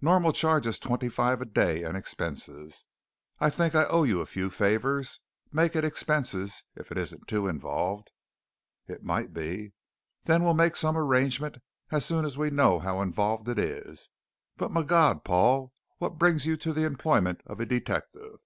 "Normal charge is twenty five a day and expenses. I think I owe you a few favors. Make it expenses if it isn't too involved." "It might be." "Then we'll make some arrangement as soon as we know how involved it is. But Migawd, Paul, what brings you to the employment of a detective?"